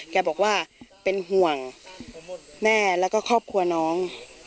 แกบอกว่าเป็นห่วงแม่แล้วก็ครอบครัวน้อง